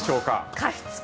加湿器。